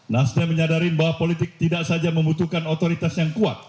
nasdem menyadari bahwa politik tidak saja membutuhkan otoritas yang kuat